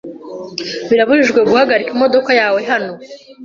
Birabujijwe guhagarika imodoka yawe hano.